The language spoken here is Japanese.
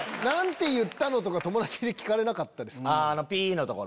何て言ったの？とか友達に聞かれなかったですか？